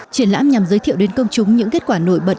triển lãm nhằm giới thiệu đến công chúng những kết quả nổi bật